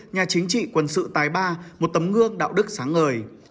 nhà chính trị quân sự tai ba một tấm ngương đạo đức sáng ngời